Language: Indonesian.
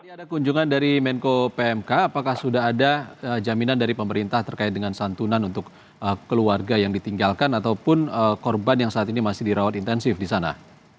ada kunjungan dari menko pmk apakah sudah ada jaminan dari pemerintah terkait dengan santunan untuk keluarga yang ditinggalkan ataupun korban yang saat ini masih dirawat intensif di sana